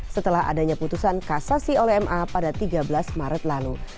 setelah adanya putusan kasasi oleh ma pada tiga belas maret lalu